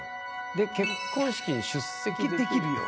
で「結婚式に出席できるよ」。